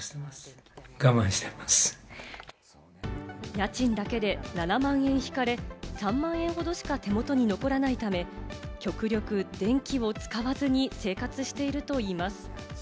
家賃だけで７万円引かれ、３万円ほどしか手元に残らないため、極力電気を使わずに生活しているといいます。